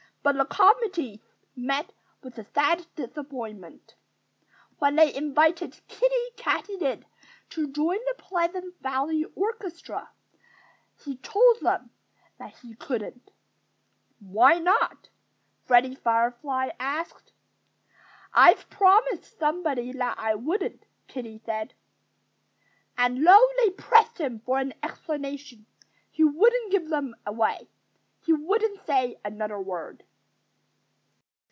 But the committee met with a sad disappointment. When they invited Kiddie Katydid to join the Pleasant Valley orchestra he told them that he couldn't. "Why not?" Freddie Firefly asked. "I've promised somebody that I wouldn't," Kiddie said. And though they pressed him for an explanation, he wouldn't give them any. He wouldn't say another word.